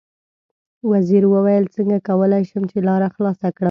وزیر وویل: څنګه کولای شم چې لاره خلاصه کړم.